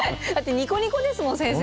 ニコニコですもん先生。